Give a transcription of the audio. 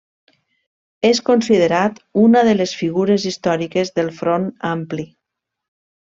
És considerat una de les figures històriques del Front Ampli.